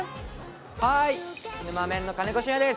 はいぬまメンの金子隼也です。